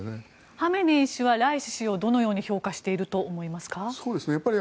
ハメネイ師はライシ師をどのように評価していると思いますか？